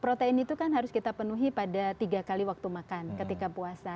protein itu kan harus kita penuhi pada tiga kali waktu makan ketika puasa